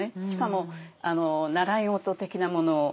しかも習い事的なもの